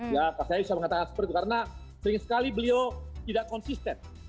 ya saya bisa mengatakan seperti itu karena sering sekali beliau tidak konsisten